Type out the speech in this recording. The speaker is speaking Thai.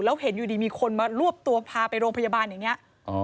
แล้วเห็นอยู่ดีมีคนมารวบตัวพาไปโรงพยาบาลอย่างนี้